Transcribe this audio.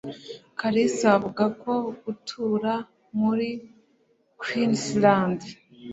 Kalisa avuga ko gutura muri Queensland